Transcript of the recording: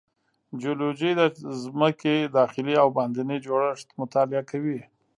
جیولوجی د ځمکې داخلي او باندینی جوړښت مطالعه کوي.